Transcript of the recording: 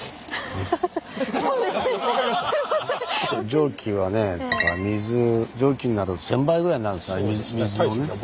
蒸気はねだから水蒸気になると１，０００倍ぐらいになるんですかね水のね。